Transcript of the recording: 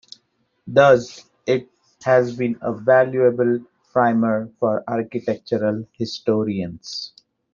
Thus, it has been a valuable primer for architectural historians.